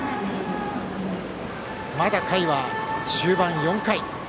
まだ回は中盤の４回。